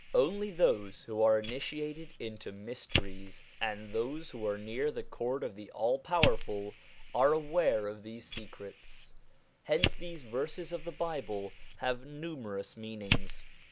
Only those who are initi ated into mysteries, and those who are near the Court of the All Powerful, are aware of these secrets. Hence these verses of the Bible have numerous meanings.